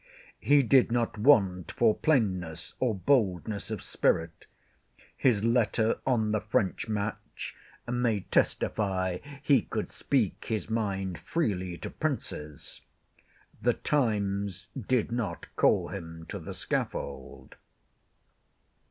He did not want for plainness or boldness of spirit. His letter on the French match may testify, he could speak his mind freely to Princes. The times did not call him to the scaffold.